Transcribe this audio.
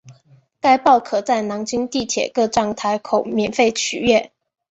该报可在南京地铁各站台口免费取阅。